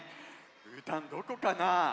うーたんどこかな？